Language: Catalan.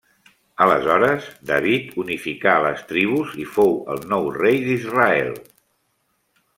Aleshores, David unificà les tribus i fou el nou Rei d'Israel.